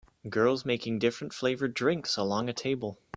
Girls making different flavored drinks along a table